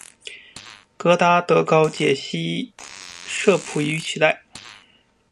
戈达德高解析摄谱仪取代。